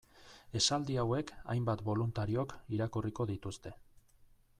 Esaldi hauek hainbat boluntariok irakurriko dituzte.